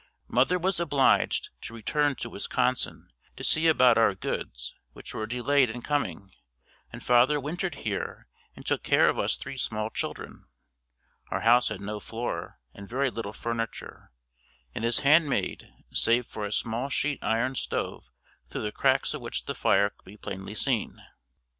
Mother was obliged to return to Wisconsin to see about our goods which were delayed in coming, and father wintered here and took care of us three small children. Our house had no floor and very little furniture, and this hand made, save for a small sheet iron stove through the cracks of which the fire could be plainly seen.